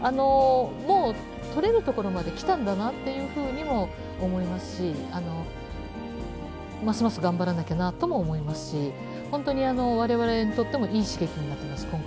もう取れるところまで来たんだなっていうふうにも思いますしますます頑張らなきゃなとも思いますし本当に我々にとってもいい刺激になってます